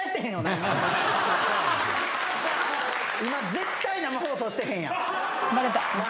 今絶対生放送してへんやん。なあ？